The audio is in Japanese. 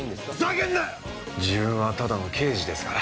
自分はただの刑事ですから。